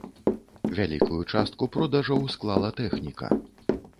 Вялікую частку продажаў склала тэхніка.